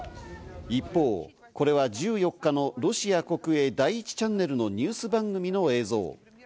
一方、これは１４日のロシア国営第１チャンネルのニュース番組の映像。